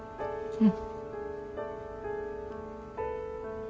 うん。